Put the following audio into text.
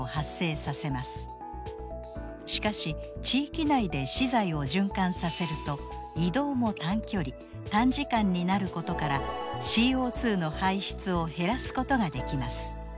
しかし地域内で資材を循環させると移動も短距離短時間になることからＣＯの排出を減らすことができます。